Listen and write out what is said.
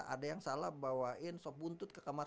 ada yang salah bawain sob buntut ke kamar